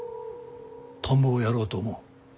田んぼをやろうと思う。